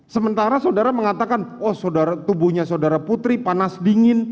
sementara saudara mengatakan oh tubuhnya saudara putri panas dingin